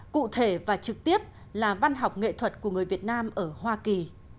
cụ thể và trực tiếp là văn học nghệ thuật của người việt nam ở hoa kỳ